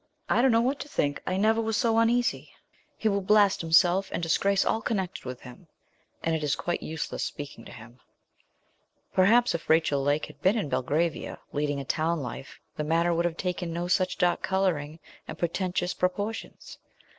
I don't know what to think; I never was so uneasy. He will blast himself, and disgrace all connected with him; and it is quite useless speaking to him.' Perhaps if Rachel Lake had been in Belgravia, leading a town life, the matter would have taken no such dark colouring and portentous proportions.